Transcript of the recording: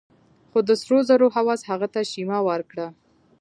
خو د سرو زرو هوس هغه ته شيمه ورکړه.